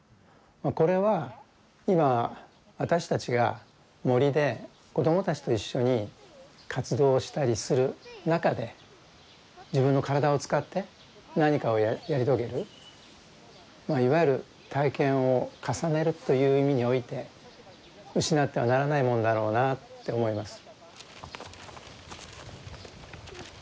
これは今私たちが森で子どもたちと一緒に活動したりする中で自分の体を使って何かをやり遂げるいわゆる体験を重ねるという意味において失ってはならないもんだろうなって思います。